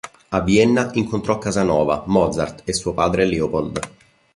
A Vienna incontrò Casanova, Mozart e suo padre Leopold.